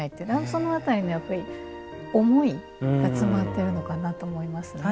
その辺りの思いが詰まってるのかなと思いますね。